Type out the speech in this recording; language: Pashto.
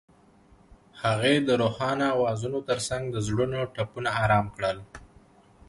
هغې د روښانه اوازونو ترڅنګ د زړونو ټپونه آرام کړل.